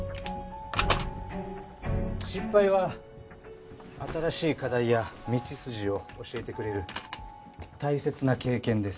失敗は新しい課題や道筋を教えてくれる大切な経験です。